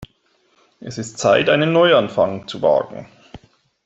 Es ist Zeit, einen Neuanfang zu wagen.